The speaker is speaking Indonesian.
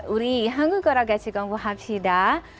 uri hangu koragasi konggu hapsida